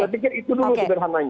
saya pikir itu dulu sederhananya